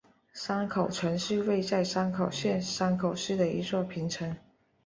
山口城是位在山口县山口市的一座平城。